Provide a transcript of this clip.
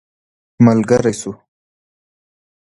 ملګری سو.